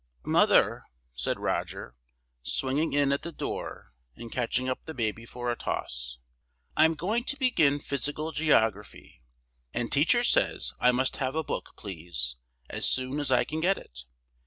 "MOTHER," said Roger, swinging in at the door and catching up the baby for a toss, "I am going to begin Physical Geography! And teacher says I must have a book, please, as soon as I can get it.